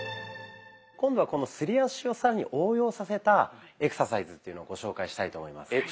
今度はこのすり足を更に応用させたエクササイズっていうのをご紹介したいと思います。